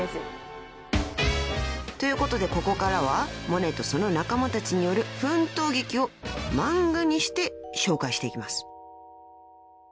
［ということでここからはモネとその仲間たちによる奮闘劇を漫画にして紹介していきます］